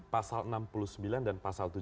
pasal enam puluh sembilan dan pasal tujuh puluh